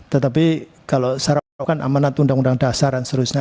tetapi kalau syarat melakukan amanat undang undang dasar dan seterusnya